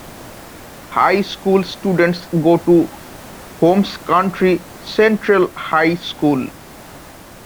High school students go to Holmes County Central High School.